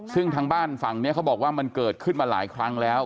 ซึ่งทางบ้านฝั่งนี้เขาบอกว่ามันเกิดขึ้นมาหลายครั้งแล้ว